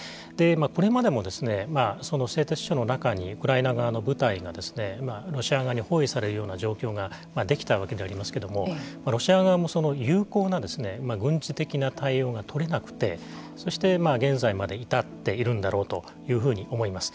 これまでも製鉄所の中にウクライナ側の部隊がロシア側に包囲されるような状況ができたわけでありますけれどもロシア側も、有効な軍事的な対応がとれなくてそして現在まで至っているんだろうというふうに思います。